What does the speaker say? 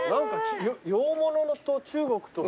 洋物と中国とか。